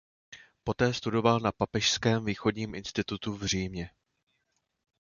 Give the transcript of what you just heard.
Poté studoval na Papežském východním institutu v Římě.